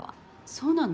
そうなの？